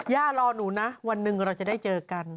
ย่ารอหนูนะวันหนึ่งเราจะได้เจอกัน